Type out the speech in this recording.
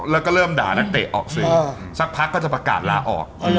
แล้วก็เริ่มด่านักเตะออกสื่อสักพักก็จะประกาศลาออก